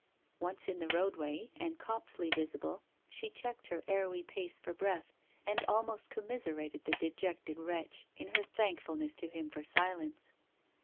Once in the roadway, and Copsley visible, she checked her arrowy pace for breath, and almost commiserated the dejected wretch in her thankfulness to him for silence.